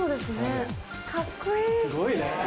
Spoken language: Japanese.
すごいね！